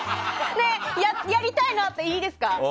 やりたいなのあってやっていいですか？